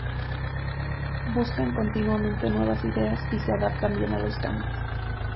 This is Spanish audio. Buscan continuamente nuevas ideas y se adaptan bien a los cambios.